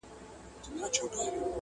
له محفله یې بهر کړم د پیمان استازی راغی٫